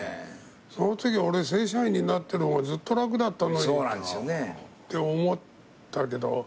そのとき俺正社員になってる方がずっと楽だったのにって思ったけど。